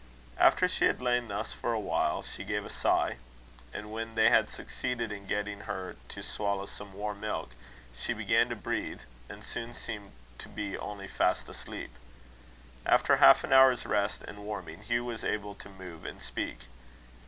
After she had lain thus for a while, she gave a sigh; and when they had succeeded in getting her to swallow some warm milk, she began to breathe, and soon seemed to be only fast asleep. After half an hour's rest and warming, Hugh was able to move and speak.